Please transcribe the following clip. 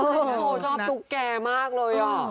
โอ้โหชอบตุ๊กแกมากเลยอ่ะ